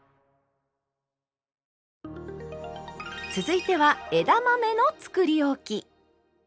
続いては枝豆のつくりおき。